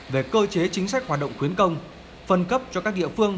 về cơ chế chính sách hoạt động khuyến công phân cấp cho các địa phương